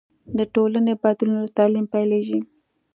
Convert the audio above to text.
د ټولنې بدلون له تعلیم پیلېږي.